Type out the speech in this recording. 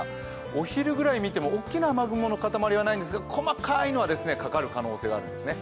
お昼ぐらいを見ても大きな雨雲の塊はないんですが、細かいのは、かかる可能性があるんですね。